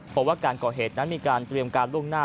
เพราะว่าการก่อเหตุนั้นมีการเตรียมการล่วงหน้า